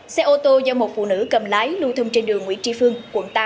xe ô tô do một phụ nữ cầm lái lưu thông trên đường nguyễn tri phương quận tám